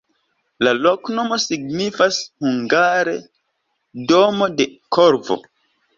La loknomo signifas hungare: domo de korvo.